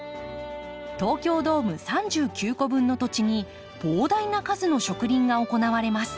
東京ドーム３９個分の土地に膨大な数の植林が行われます。